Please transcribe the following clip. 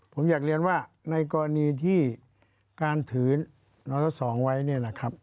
ผมอยากเรียนว่าในกรณีที่การถือร้อยละ๒ไว้เนี่ยนะครับ